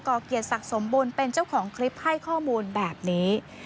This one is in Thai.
่อเกียรติศักดิ์สมบูรณ์เป็นเจ้าของคลิปให้ข้อมูลแบบนี้